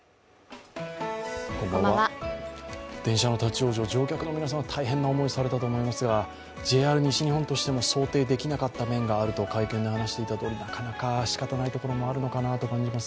電車の立往生、乗客の皆さんは大変な思いをされたと思いますが、ＪＲ西日本としても想定できなかった面があると会見で話していたとおり、なかなかしかたないところもあるのかなと感じます。